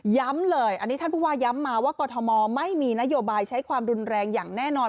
เลยอันนี้ท่านผู้ว่าย้ำมาว่ากรทมไม่มีนโยบายใช้ความรุนแรงอย่างแน่นอน